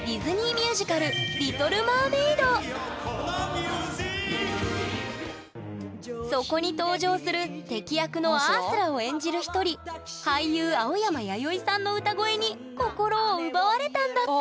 ミュージカルそこに登場する敵役のアースラを演じる一人俳優青山弥生さんの歌声に心を奪われたんだって！